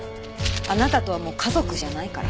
あなたとはもう家族じゃないから。